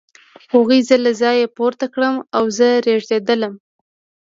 هغوی زه له ځایه پورته کړم او زه رېږېدلم